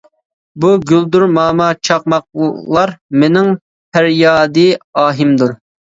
بۇ گۈلدۈرماما چاقماقلار مېنىڭ پەريادى ئاھىمدۇر.